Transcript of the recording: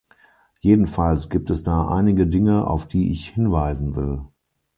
Jedenfalls gibt es da einige Dinge, auf die ich hinweisen will.